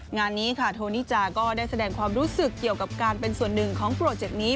งานนี้ค่ะโทนิจาก็ได้แสดงความรู้สึกเกี่ยวกับการเป็นส่วนหนึ่งของโปรเจกต์นี้